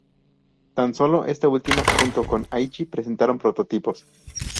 Tan sólo esta última, junto con Aichi, presentaron prototipos.